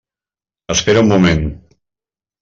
Espera un moment.